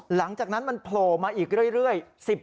หลังจากนั้นมันโผล่มาอีกเรื่อย